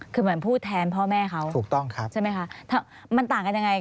เหมือนผู้แทนพ่อแม่เขาใช่ไหมคะมันต่างกันยังไง